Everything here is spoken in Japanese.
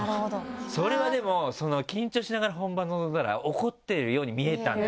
それはでも緊張しながら本番臨んだら怒ってるように見えたんじゃないですか。